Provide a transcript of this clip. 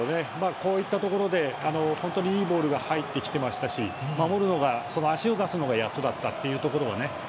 こういったところでいいボールが入ってきてましたし足を出すのがやっとだったというところはね。